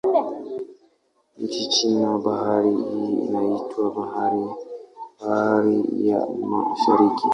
Nchini China, bahari hii inaitwa Bahari ya Mashariki.